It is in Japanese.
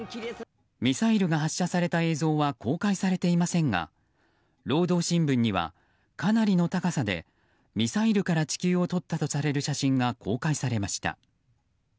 ミサイルが発射された映像は公開されていませんが労働新聞には、かなりの高さでミサイルから地球を撮ったとされる写真が公開されました。